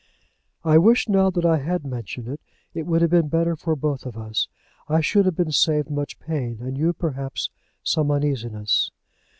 I wish now that I had mentioned it. It would have been better for both of us. I should have been saved much pain; and you, perhaps, some uneasiness.